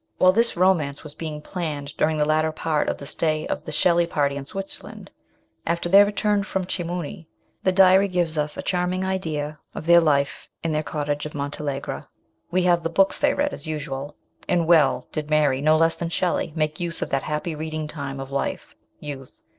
While this romance was being planned during the latter part of the stay of the Shelley party in Switzerland, after their return from Chamouni, the diary gives us a charming idea of their life in their cottage of Montalegre. We have the books they read, as usual ; and well did Mary, no less than Shelley, make use of that happy reading time of life youth.